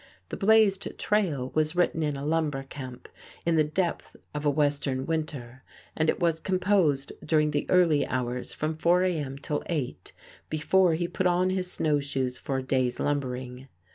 "The Blazed Trail" was written in a lumber camp in the depth of a western winter, and it was composed during the early hours from four A. M. till eight, before he put on his snow shoes for a day's lumbering.